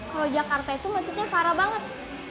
kalo jakarta itu macetnya parah banget